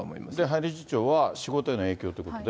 林理事長は仕事への影響ということで。